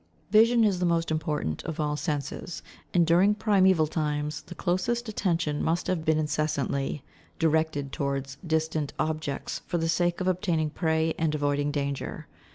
Vision is the most important of all the senses, and during primeval times the closest attention must have been incessantly: directed towards distant objects for the sake of obtaining prey and avoiding danger.